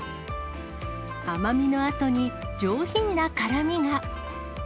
甘みのあとに上品な辛みが。